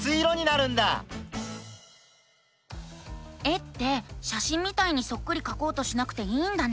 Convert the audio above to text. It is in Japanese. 絵ってしゃしんみたいにそっくりかこうとしなくていいんだね。